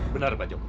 benar pak joko